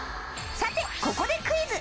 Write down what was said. さて、ここでクイズ。